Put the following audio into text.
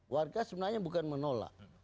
warga sebenarnya bukan menolak